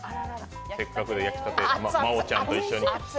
せっかくの焼きたて真央ちゃんと一緒に。